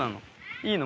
いいの？